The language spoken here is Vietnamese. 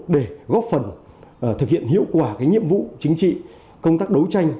để góp phần thực hiện hiệu quả nhiệm vụ chính trị công tác đấu tranh